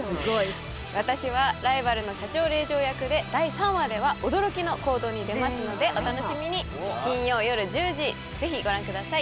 私はライバルの社長令嬢役で第３話では驚きの行動に出ますのでお楽しみに金曜夜１０時ぜひご覧ください